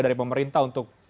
dari pemerintah untuk